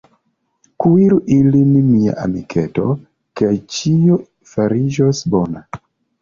Kuiru ilin, mia amiketo, kaj ĉio fariĝos bona.